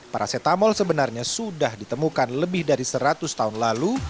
paracetamol sebenarnya sudah ditemukan lebih dari seratus tahun lalu